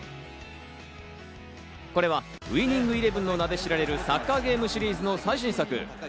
これは『ウイニングイレブン』の名で知られるサッカーゲームシリーズの最新作。